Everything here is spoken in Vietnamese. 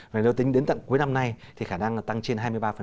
và nếu tính đến tận cuối năm nay thì khả năng tăng trên hai mươi ba